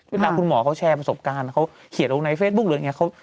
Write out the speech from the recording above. เวลาคุณหมอเขาแชร์ประสบการณ์เขาเขียนลงในเฟซบุ๊คหรืออะไรอย่างนี้